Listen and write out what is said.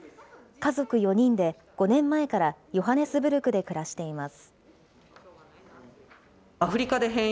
家族４人で、５年前からヨハネスブルクで暮らしています。